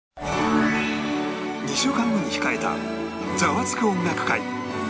２週間後に控えた「ザワつく！音楽会」